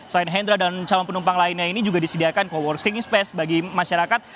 selain hendra dan calon penumpang lainnya ini juga disediakan co working space bagi masyarakat